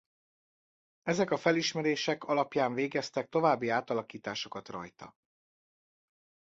Ezek a felismerések alapján végeztek további átalakításokat rajta.